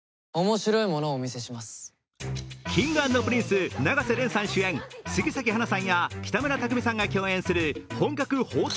Ｋｉｎｇ＆Ｐｒｉｎｃｅ・永瀬廉さん主演杉咲花さんや北村匠海さんが共演する本格法廷